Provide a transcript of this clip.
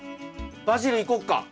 バジルいこうか。